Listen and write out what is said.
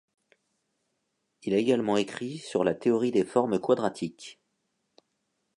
Il a également écrit sur la théorie des formes quadratiques.